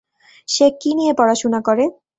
সে কী নিয়ে পড়াশুনা করে?